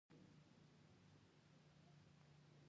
د اوداسه سنتونه: